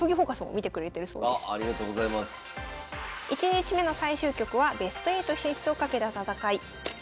１日目の最終局はベスト８進出を懸けた戦い。